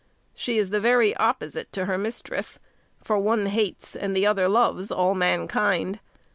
She is the very opposite to her mistress, for one hates, and the other loves, all mankind.